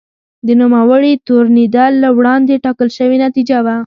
د نوموړي تورنېدل له وړاندې ټاکل شوې نتیجه وه.